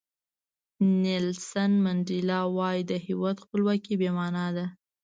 نیلسن منډیلا وایي د هیواد خپلواکي بې معنا ده.